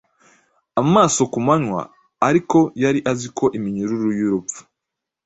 Amaso kumanywa ariko yari azi ko iminyururu yurupfu